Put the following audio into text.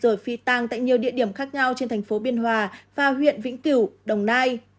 rồi phi tàng tại nhiều địa điểm khác nhau trên thành phố biên hòa và huyện vĩnh cửu đồng nai